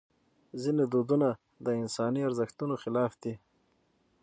ځینې دودونه د انساني ارزښتونو خلاف دي.